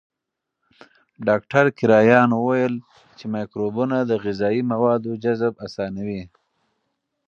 ډاکټر کرایان وویل چې مایکروبونه د غذایي موادو جذب اسانوي.